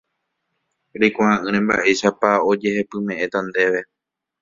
reikuaa'ỹre mba'éichapa ojehepyme'ẽta ndéve